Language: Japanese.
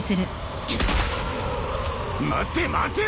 待て待て！